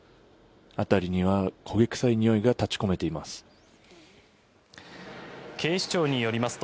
辺りには焦げ臭いにおいが立ち込めています。